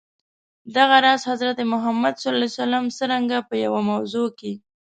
دغه راز، حضرت محمد ص څرنګه په یوه موضوع کي.